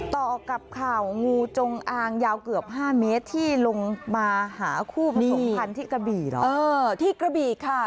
ต่อกับข่าวงูจงอางยาวเกือบ๕เมตรที่ลงมาหาคู่ผสมพันธ์ที่กระบี่เหรอเออที่กระบี่ค่ะ